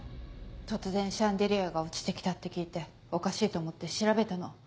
突然シャンデリアが落ちて来たって聞いておかしいと思って調べたの。